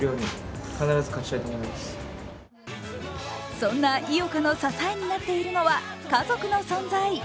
そんな井岡の支えになっているのは、家族の存在。